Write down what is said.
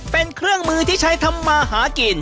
เป็นเครื่องมือที่ใช้ทำมาหากิน